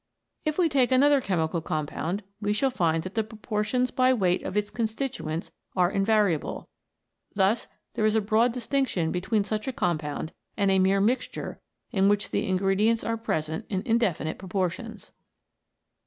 If we take any other chemical compound, we shall find that the proportions by weight of its consti tuents are invariable ; thus there is a broad distinc tion between such a compound and a mere mixture in which the ingredients are present in indefinite proportions.